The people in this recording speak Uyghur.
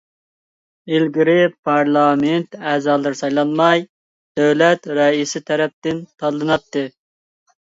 ئىلگىرى پارلامېنت ئەزالىرى سايلانماي، دۆلەت رەئىسى تەرەپتىن تاللىناتتى.